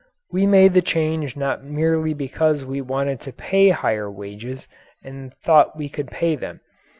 We made the change not merely because we wanted to pay higher wages and thought we could pay them.